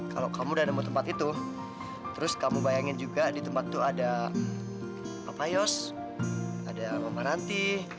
kalau kamu udah nemu tempat itu terus kamu bayangin juga di tempat itu ada apa yos ada memaranti